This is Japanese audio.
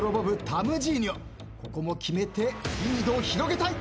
ここも決めてリードを広げたい。